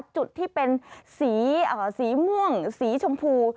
จุดที่เป็นสีม่วงสีชมพู